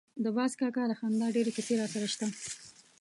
د باز کاکا د خندا ډېرې کیسې راسره شته.